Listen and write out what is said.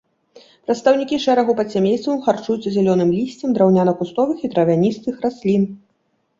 Прадстаўнікі шэрагу падсямействаў харчуюцца зялёным лісцем драўняна-кустовых і травяністых раслін.